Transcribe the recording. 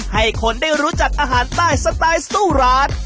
ให้คนได้รู้จักอาหารใต้สไตล์สู้ร้าน